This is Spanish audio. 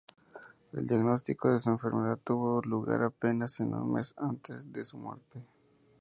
El diagnóstico de su enfermedad tuvo lugar apenas un mes antes de su muerte.